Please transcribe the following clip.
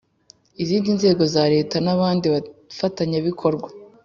Izindi Nzego Za Leta N Abandi Bafatanyabikorwa